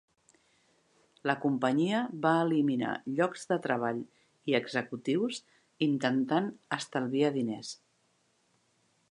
La companyia va eliminar llocs de treball i executius intentant estalviar diners.